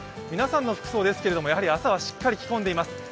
皆さんの服装ですけれども朝はしっかり着込んでいます。